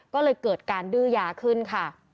ก็เลยเกิดการดื้อยาขึ้นค่ะ